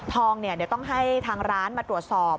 เดี๋ยวต้องให้ทางร้านมาตรวจสอบ